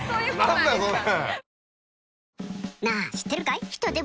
何だよそれ！